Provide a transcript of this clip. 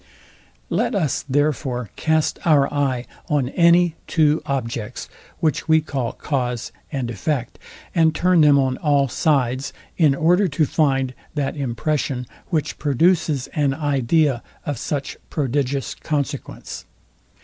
Let us therefore cast our eye on any two objects, which we call cause and effect, and turn them on all sides, in order to find that impression, which produces an idea, of such prodigious consequence.